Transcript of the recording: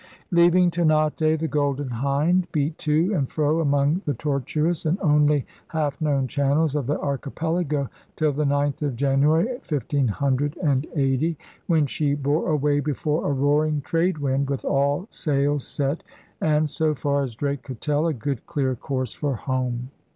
Leaving Ternate, the Golden Hind beat to and fro among the tortuous and only half known channels of the Archipelago till the 9th of Janu ary, 1580, when she bore away before a roaring trade wind with all sail set and, so far as Drake could tell, a good clear course for home.